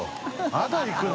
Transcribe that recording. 「まだいくの？」